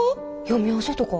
読み合わせとか。